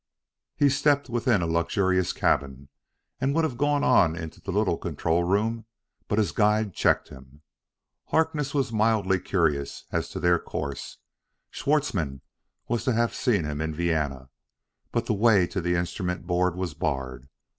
He stepped within a luxurious cabin and would have gone on into the little control room, but his guide checked him. Harkness was mildly curious as to their course Schwartzmann was to have seen him in Vienna but the way to the instrument board was barred.